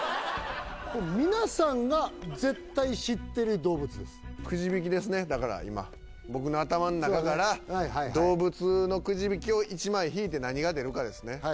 これ皆さんが絶対知ってる動物ですくじ引きですねだから今僕の頭ん中から動物のくじ引きを１枚引いて何が出るかですね